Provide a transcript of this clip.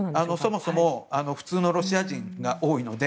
そもそも普通のロシア人が多いので